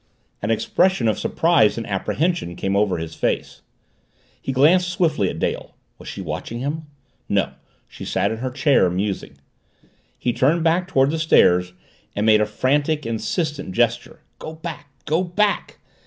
An expression of surprise and apprehension came over his face. He glanced swiftly at Dale was she watching him? No she sat in her chair, musing. He turned back toward the stairs and made a frantic, insistent gesture "Go back, go back!"